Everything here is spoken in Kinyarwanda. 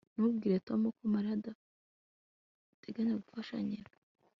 ntubwire tom ko mariya adateganya gufasha nyina